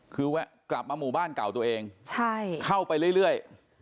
คือแวะกลับมาหมู่บ้านเก่าตัวเองเข้าไปเรื่อย